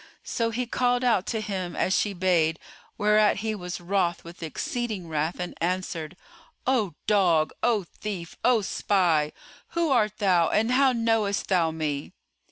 So he called out to him as she bade, whereat he was wroth with exceeding wrath and answered, "O dog, O thief, O spy, who art thou and how knowest thou me?"